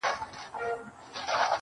ستا وه څادرته ضروت لرمه.